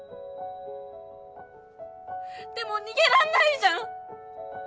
でも逃げらんないじゃん！